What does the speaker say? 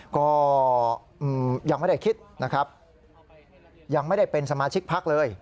ก็ยังไม่ได้คิดนะครับยังไม่ได้เป็นสมาชิกพักเลย